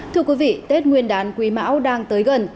thưa quý vị tết nguyên đán quý mão đang tới gần